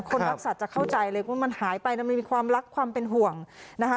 คนรักสัตว์จะเข้าใจเลยว่ามันหายไปมันมีความรักความเป็นห่วงนะคะ